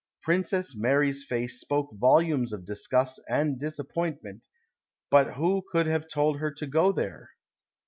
Princess Mary's face spoke vohimcs of disgust and disappointment, but who cd. have told her to go there